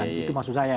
itu maksud saya